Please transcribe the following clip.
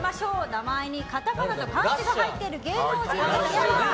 名前にカタカナと漢字が入っている芸能人といえば？